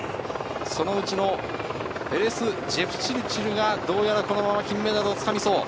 その内のジェプチルチルが、どうやらこのまま金メダルをつかみそう。